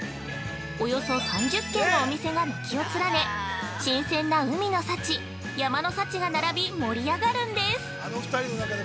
およそ３０軒のお店が軒を連ね新鮮な海の幸、山の幸が並び盛り上がるんです。